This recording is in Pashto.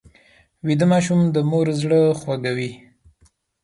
ویده ماشوم د مور زړه خوږوي